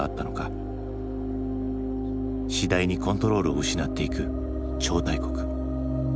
次第にコントロールを失っていく超大国。